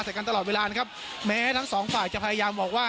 แต่กันตลอดเวลานะครับแม้ทั้งสองฝ่ายจะพยายามบอกว่า